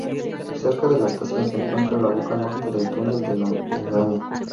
Cerca de la estación se encuentra la boca norte del Túnel de la Engaña.